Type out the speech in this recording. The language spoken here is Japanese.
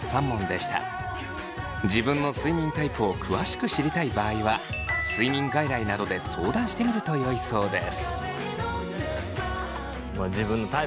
自分の睡眠タイプを詳しく知りたい場合は睡眠外来などで相談してみるとよいそうです。